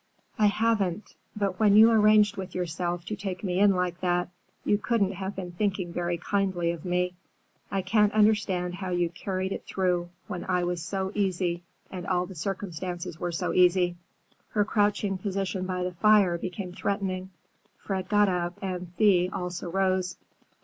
"I haven't. But when you arranged with yourself to take me in like that, you couldn't have been thinking very kindly of me. I can't understand how you carried it through, when I was so easy, and all the circumstances were so easy." Her crouching position by the fire became threatening. Fred got up, and Thea also rose.